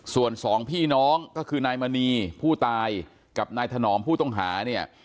ส่วนสองพี่น้องก็คือนายมณีผู้ตายกับนายถนอมผู้ต้องหาเนี่ย